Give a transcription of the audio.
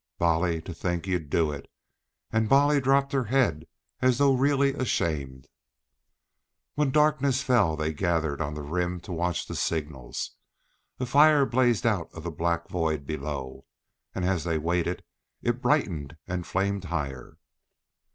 "Bolly, to think you'd do it!" And Bolly dropped her head as though really ashamed. When darkness fell they gathered on the rim to watch the signals. A fire blazed out of the black void below, and as they waited it brightened and flamed higher.